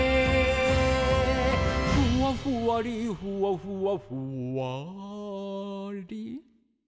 「ふわふわりふわふわふわり」